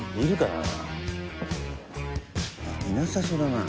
いなさそうだな。